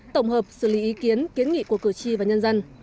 tổng hợp xử lý ý kiến kiến nghị của cử tri và nhân dân